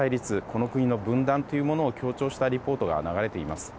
この国の分断というものを強調したリポートが流れています。